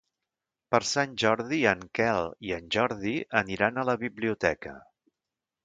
Per Sant Jordi en Quel i en Jordi aniran a la biblioteca.